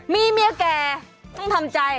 มีเมียแก่ต้องทำใจ